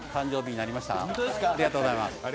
ありがとうございます。